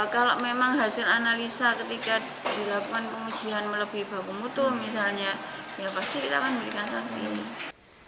kalau memang hasil analisa ketika dilakukan pengujian melebihi baku mutu misalnya ya pasti kita akan berikan sanksi